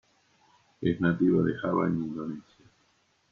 Es nativa de Java en Indonesia.